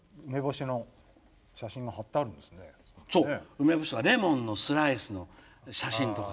梅干しとかレモンのスライスの写真とかね。